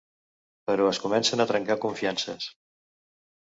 Però es comencen a trencar confiances.